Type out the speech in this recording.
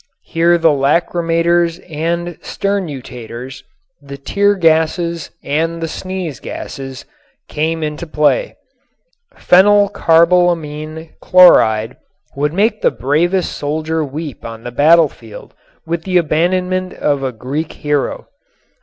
Here the lachrymators and the sternutators, the tear gases and the sneeze gases, came into play. Phenylcarbylamine chloride would make the bravest soldier weep on the battlefield with the abandonment of a Greek hero.